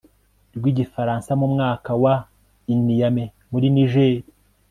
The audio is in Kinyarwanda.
rw igifaransa mu mwaka wa i Niamey muri Nigeri